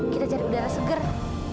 kita cari udara seger ya